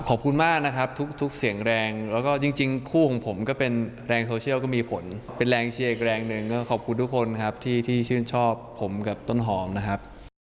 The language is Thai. ขอบคุณมากนะครับทุกเสียงแรงแล้วก็จริงคู่ของผมก็เป็นแรงโซเชียลก็มีผลเป็นแรงเชียร์อีกแรงหนึ่งก็ขอบคุณทุกคนครับที่ชื่นชอบผมกับต้นหอมนะครับ